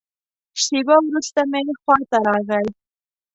شېبه وروسته مې خوا ته راغی.